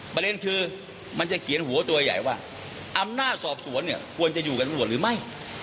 ประเด็นคือมันจะเขียนหัวตัวใหญ่ว่าอำนาจสอบสวนเนี่ยควรจะอยู่กับตำรวจหรือไม่